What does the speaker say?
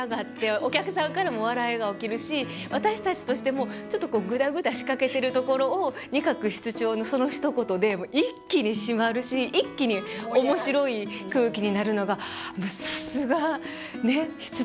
お客さんからも笑いが起きるし私たちとしてもちょっとぐだぐだしかけてるところを仁鶴室長のそのひと言で一気に締まるし一気に面白い空気になるのがさすが室長といつも思って。